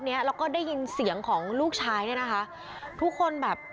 ร้องจนแทบขาดใจจนเป็นลมคือเป็นเสียงที่เกิดขึ้นจริงเลยนะ